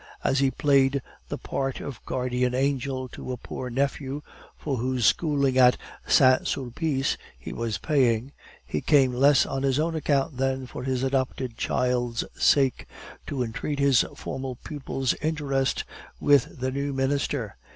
As he played the part of guardian angel to a poor nephew, for whose schooling at Saint Sulpice he was paying, he came less on his own account than for his adopted child's sake, to entreat his former pupil's interest with the new minister.